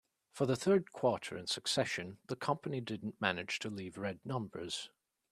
For the third quarter in succession, the company didn't manage to leave red numbers.